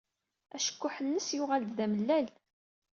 Acekkuḥ-nnes yuɣal-d d amellal.